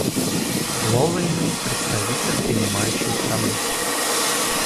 Слово имеет представитель принимающей страны.